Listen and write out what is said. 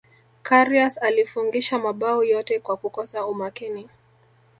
karius alifungisha mabao yote kwa kukosa umakini